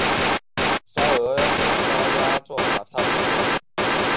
烧鹅和烧鸭做法差不多。